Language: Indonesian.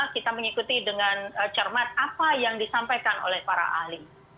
kita mengikuti dengan cermat apa yang disampaikan oleh para ahli